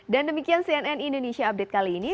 dan demikian cnn indonesia update kali ini